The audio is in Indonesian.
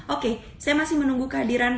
oke saya masih menunggu kehadiran